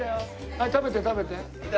はい食べて食べて。